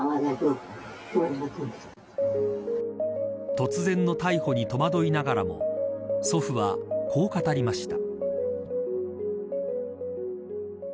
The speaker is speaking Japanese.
突然の逮捕に戸惑いながらも祖父は、こう語りました。